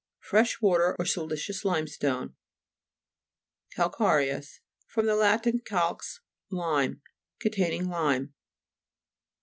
Fresh water or siliceous limestone. CALCA'REOUS fr. lat. calx, lime. Containing lime.